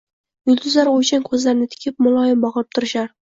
yulduzlar o'ychan ko'zlarini tikib muloyim boqib turishar